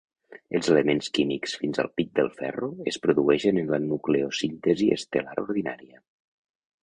Els elements químics fins al pic del ferro es produeixen en la nucleosíntesi estel·lar ordinària.